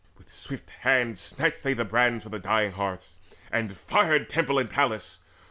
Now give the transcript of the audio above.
[With swift hands Snatched they the brands from dying hearths, and fired Temple and palace.